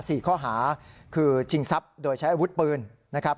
สี่ข้อหาคือชิงทรัพย์โดยใช้อาวุธปืนนะครับ